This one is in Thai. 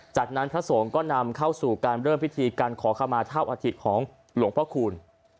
จากนั้นพระสงฆ์ก็นำเข้าสู่การเริ่มพิธีการขอขมาเท่าอาทิตย์ของหลวงพระคูณ